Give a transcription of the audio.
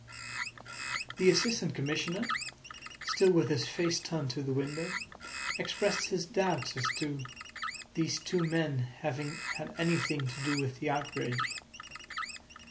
The Assistant Commissioner, still with his face turned to the window, expressed his doubt as to these two men having had anything to do with the outrage.